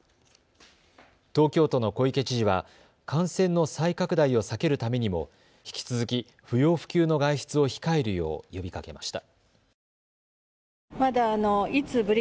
東京都の小池知事は感染の再拡大を避けるためにも引き続き不要不急の外出を控えるよう呼びかけました。